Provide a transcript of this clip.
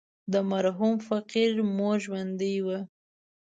د مرحوم فقير مور ژوندۍ وه.